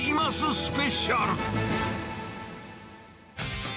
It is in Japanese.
スペシャル。